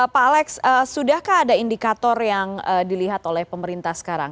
pak alex sudahkah ada indikator yang dilihat oleh pemerintah sekarang